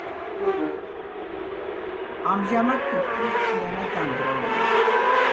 ამჟამად თითქმის მთლიანად დანგრეულია.